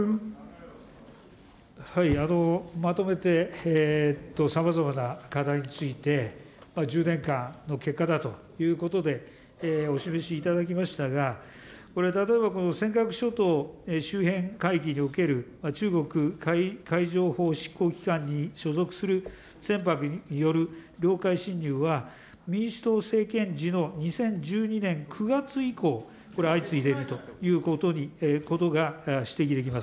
まとめてさまざまな課題について、１０年間の結果だということで、お示しいただきましたが、これ例えば、尖閣諸島周辺海域における中国海上法執行機関に所属する船舶における領海侵入は、民主党政権時の２０１９年９月以降これ相次いでいるということが指摘できます。